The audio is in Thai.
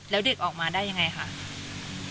แล้วเด็กออกมาได้ยังไงคะ